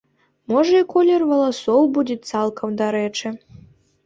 Можа і колер валасоў будзе цалкам дарэчы.